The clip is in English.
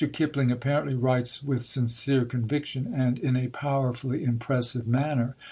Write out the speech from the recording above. Kipling apparently writes with sincere conviction, and in a powerfully impressive manner.